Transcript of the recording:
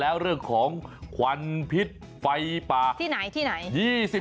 แล้วเรื่องของควันพิษไฟป่าที่ไหนที่ไหน